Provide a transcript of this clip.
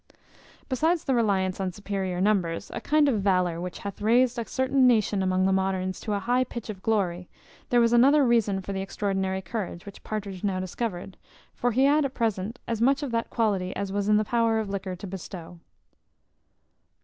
Besides the reliance on superior numbers, a kind of valour which hath raised a certain nation among the moderns to a high pitch of glory, there was another reason for the extraordinary courage which Partridge now discovered; for he had at present as much of that quality as was in the power of liquor to bestow.